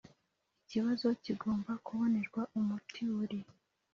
ikibazo kigomba kubonerwa umuti buri